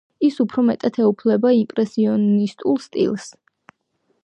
ის უფრო მეტად ეუფლება იმპრესიონისტულ სტილს.